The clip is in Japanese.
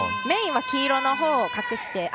メインは黄色のほうを隠して。